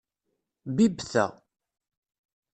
Bibb ta.